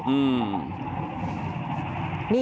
อืม